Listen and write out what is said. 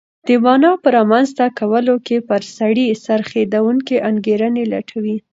د مانا په رامنځته کولو کې پر سړي څرخېدونکې انګېرنې لټوي.